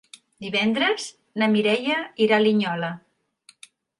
Divendres na Mireia irà a Linyola.